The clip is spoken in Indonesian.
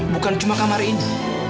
bukan cuma kamar ini